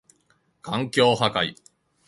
環境破壊